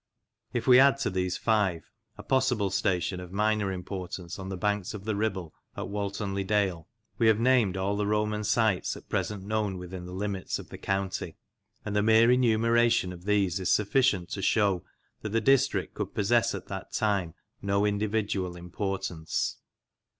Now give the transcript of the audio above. If we add to these five a possible station of minor importance on the banks of the Ribble at Walton le Dale, we have named all the Roman sites at present known within the limits of the county, and the mere enumeration of these is sufficient to shew that the district could possess at that time no individual importance.